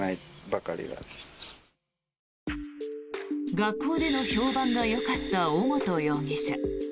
学校での評判がよかった尾本容疑者。